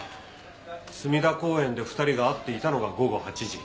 墨田公園で２人が会っていたのが午後８時。